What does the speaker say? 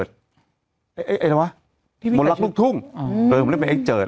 ร้านหลุมแก้วเหรอร้านหลุมแก้วเหรอร้านหลุมแก้วเหรอ